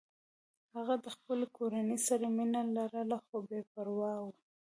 هغه د خپلې کورنۍ سره مینه لرله خو بې پروا و